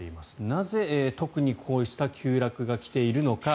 なぜ、特にこうした急落が来ているのか。